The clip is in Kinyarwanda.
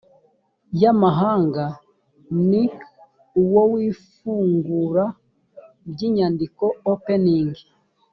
y amahanga ni uw ifungura ry inyandiko opening